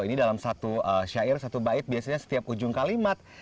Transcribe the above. ini dalam satu syair satu bait biasanya setiap ujung kalimat